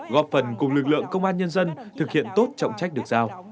góp phần cùng lực lượng công an nhân dân thực hiện tốt trọng trách được giao